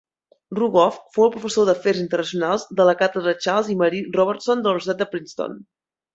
Rogoff fou el professor d'Afers Internacionals de la càtedra Charles i Marie Robertson de la Universitat de Princeton.